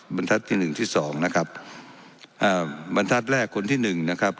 บรรทัศน์ที่หนึ่งที่สองนะครับอ่าบรรทัศน์แรกคนที่หนึ่งนะครับ